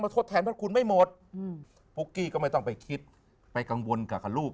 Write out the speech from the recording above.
ทดแทนพระคุณไม่หมดปุ๊กกี้ก็ไม่ต้องไปคิดไปกังวลกับลูก